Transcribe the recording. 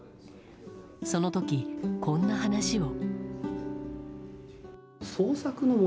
その時、こんな話を。